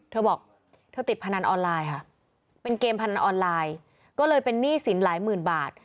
เธอบอกเธอติดพนันออนไลน์ค่ะเป็นเกมพนันออนไลน์ก็เลยเป็นหนี้สินหลายหมื่นบาท